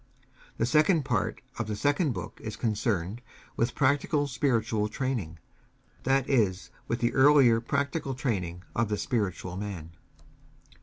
The second part of the second book is concerned with practical spiritual training, that is, with the earlier practical training of the spiritual man.